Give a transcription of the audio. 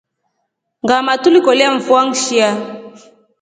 Ngʼaama tulikolya mvua nsha.